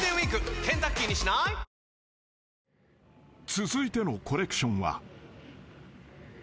［続いてのコレクションは］